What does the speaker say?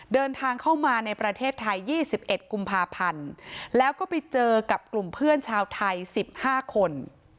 เดินทางเข้ามาในประเทศไทย๒๑กุมภาพันธ์แล้วก็ไปเจอกับกลุ่มเพื่อนชาวไทย๑๕คน